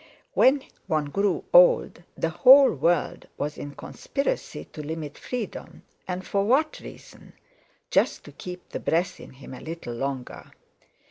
When one grew old, the whole world was in conspiracy to limit freedom, and for what reason?—just to keep the breath in him a little longer.